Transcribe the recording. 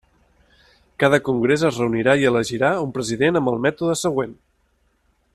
Cada congrés es reunirà i elegirà un president amb el mètode següent.